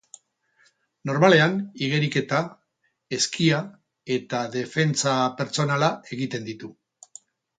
Normalean, igeriketa, eskia eta defentsa pertsonala egiten ditu.